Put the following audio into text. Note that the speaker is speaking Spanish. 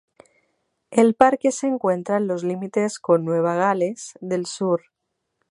El parque se encuentra en los límites con Nueva Gales del Sur.